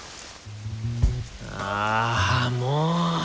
ああもう！